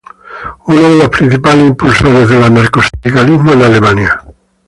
Uno de los principales impulsores del anarcosindicalismo en Alemania.